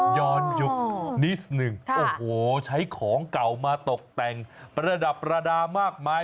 ย้อนยุคนิดหนึ่งโอ้โหใช้ของเก่ามาตกแต่งประดับประดามากมาย